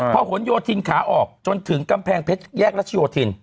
หนโยธินขาออกจนถึงกำแพงเพชรแยกรัชโยธิน